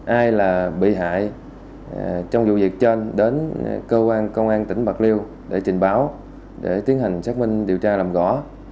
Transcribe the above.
ai là bị hại trong vụ việc trên đến công an tỉnh bạc liêu để trình báo để tiến hành xác minh điều tra làm gõ